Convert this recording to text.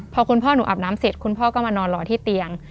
พอคุณพ่อหนูอาบน้ำเสร็จคุณพ่อก็มานอนรอที่เตียง